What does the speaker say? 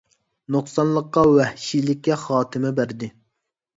نۇقسانلىققا، ۋەھشىيلىككە خاتىمە بەردى.